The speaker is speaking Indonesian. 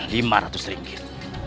lima ratus ringgit